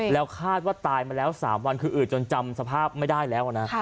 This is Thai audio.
แล้วคาดว่าตายมาแล้ว๓วันคืออืดจนจำสภาพไม่ได้แล้วนะ